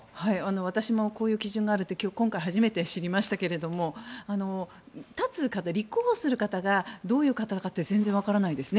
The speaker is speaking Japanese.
私もこういう基準があるって今回初めて知りましたが立つ方、立候補する方がどういう方かって全然わからないですね。